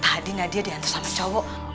tadi nadia diantar sama cowok